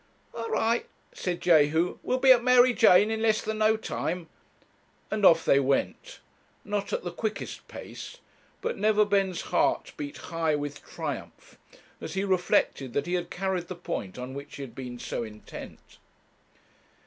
'All right,' said Jehu. 'We'll be at Mary Jane in less than no time;' and off they went, not at the quickest pace. But Neverbend's heart beat high with triumph, as he reflected that he had carried the point on which he had been so intent.